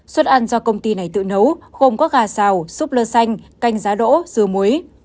suất ăn do công ty này tự nấu gồm có gà xào súp lơ xanh canh giá đỗ dừa muối